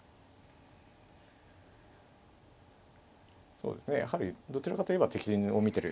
そうですねやはりどちらかと言えば敵陣を見てる感じがしますね。